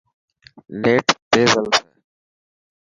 نيٽ تيز هلي پيو.